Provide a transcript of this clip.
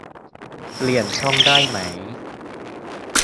เปลี่ยนช่องได้ไหม